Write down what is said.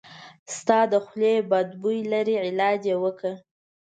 د تا د خولې بد بوي لري علاج یی وکړه